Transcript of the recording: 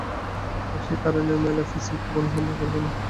এবং সেই কারণেই মেলাফিসেন্ট কখনই সন্দেহ করবেনা।